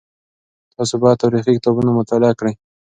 تاسو باید تاریخي کتابونه مطالعه کړئ.